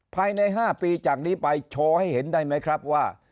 ภายใน๕ปีจากนี้ไปโชว์ให้เห็นได้ไหมครับว่า